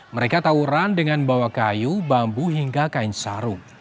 mereka tauran dengan bawa kayu bambu hingga kain sarung